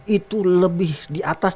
itu lebih di atas